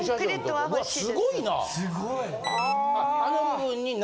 すごいな！